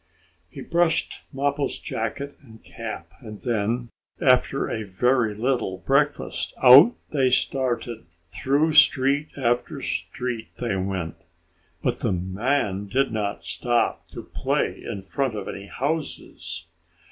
He brushed Mappo's jacket and cap, and then, after a very little breakfast, out they started. Through street after street they went, but the man did not stop to play in front of any houses.